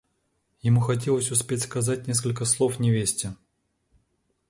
Ему хотелось успеть сказать несколько слов невесте.